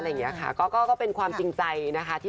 หน้ากางเกงในสีอะไร